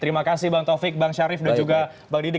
terima kasih bang taufik bang syarif dan juga bang didi